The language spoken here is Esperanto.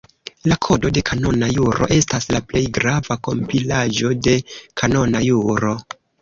La Kodo de Kanona Juro estas la plej grava kompilaĵo de kanona juro.